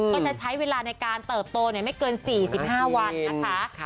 ก็จะใช้เวลาในการเติบโตไม่เกิน๔๕วันนะคะ